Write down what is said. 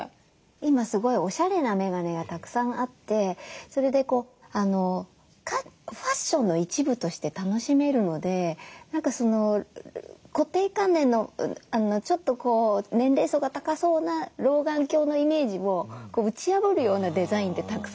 今すごいおしゃれなメガネがたくさんあってそれでファッションの一部として楽しめるので何か固定観念のちょっとこう年齢層が高そうな老眼鏡のイメージを打ち破るようなデザインってたくさんあって。